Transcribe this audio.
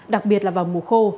đặc biệt là vào mùa khô